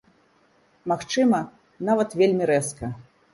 Магчыма, нават вельмі рэзка.